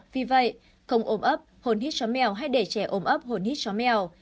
vì vậy không ôm ấp hồn hít chó mèo hay để trẻ ôm ấp hồn hít chó mèo